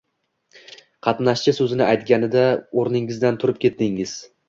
qatnashchi so‘zini aytganida o‘rningizdan turib ketdingiz